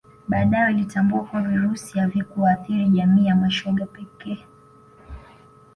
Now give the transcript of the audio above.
Baadae walitambua kuwa Virusi havikuwaathiri jamii ya mashoga pekee